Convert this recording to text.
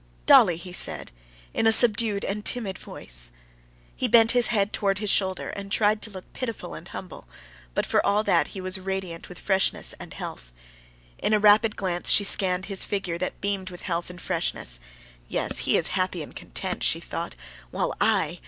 "Dolly!" he said in a subdued and timid voice. He bent his head towards his shoulder and tried to look pitiful and humble, but for all that he was radiant with freshness and health. In a rapid glance she scanned his figure that beamed with health and freshness. "Yes, he is happy and content!" she thought; "while I....